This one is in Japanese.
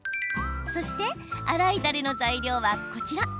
そして、洗いダレの材料はこちら。